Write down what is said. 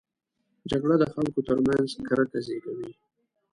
جګړه د خلکو ترمنځ کرکه زېږوي